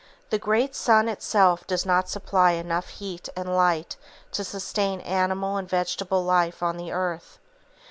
The great sun itself does not supply enough heat and light to sustain animal and vegetable life on the earth.